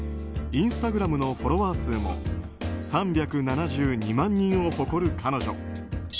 インスタグラムのフォロワー数も３７１万人を誇る彼女。